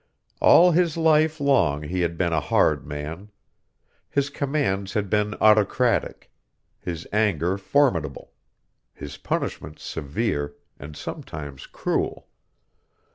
All his life long he had been a hard man. His commands had been autocratic; his anger formidable; his punishments severe, and sometimes cruel.